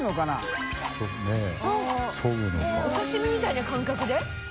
井森）お刺し身みたいな感覚で？